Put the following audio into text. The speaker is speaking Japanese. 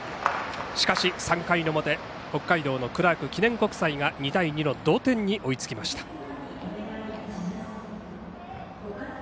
しかし、３回の表北海道のクラーク記念国際が２対２の同点に追いつきました。